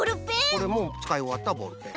これもつかいおわったボールペン。